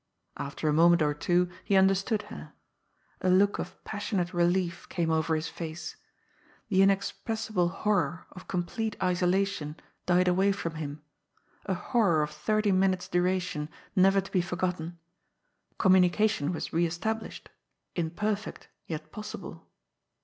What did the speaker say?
After a moment or two he understood her. A look of passionate relief came over his face. The inexpressible horror of complete isolation died away from him — a, horror of thirty minutes* duration, never to be forgotten — com munication was re established, imperfect, yet possible.